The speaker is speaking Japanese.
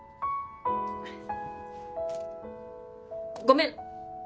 ごめん。